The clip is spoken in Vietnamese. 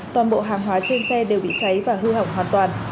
toàn bộ hàng hóa trên xe đều bị cháy và hư hỏng hoàn toàn